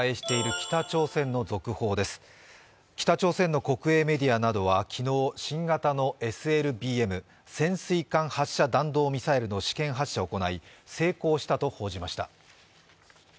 北朝鮮の国営メディアなどは昨日、新型のＳＬＢＭ＝潜水艦発射弾道ミサイルの試験発射を行い、成功したと報じました。